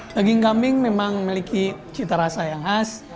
daging kambing memang memiliki cita rasa yang khas